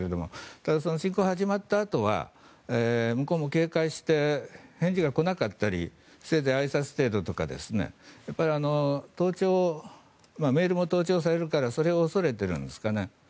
ただ、侵攻が始まったあとは向こうも警戒して返事が来なかったりせいぜいあいさつ程度とかメールも盗聴されるからそれを恐れているんですかね。